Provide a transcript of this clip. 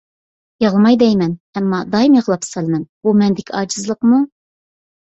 يىغلىماي دەيمەن، ئەمما دائىم يىغلاپ سالىمەن. بۇ مەندىكى ئاجىزلىقمۇ؟